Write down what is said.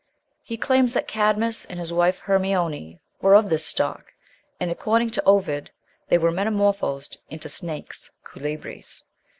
He claims that Cadmus and his wife Hermione were of this stock; and according to Ovid they were metamorphosed into snakes (Culebres).